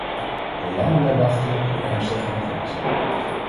Hoe langer wij wachten, hoe ernstiger het wordt.